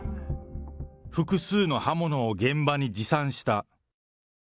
複数の刃物を現場に持参した。